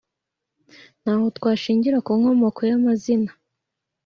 Naho twashingira ku nkomoko y’amazina,